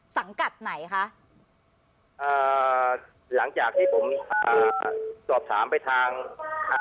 สังกัดไหนคะอ่าหลังจากที่ผมอ่าสอบถามไปทางอ่า